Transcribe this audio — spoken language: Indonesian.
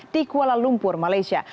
di kuala lumpur malaysia